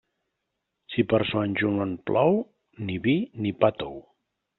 Si per Sant Joan plou, ni vi ni pa tou.